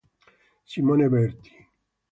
Simone Berti